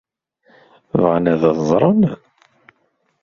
Bɣan ad t-ẓren?